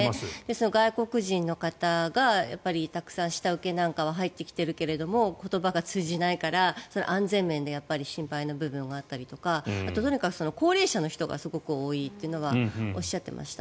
外国人の方がたくさん下請けなんかは入ってきてるけども言葉が通じないから安全面で心配があったりとかあと、とにかく高齢者の人がすごく多いとおっしゃっていました。